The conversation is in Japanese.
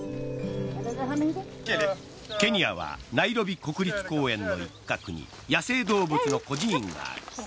ケニアはナイロビ国立公園の一角に野生動物の孤児院がある。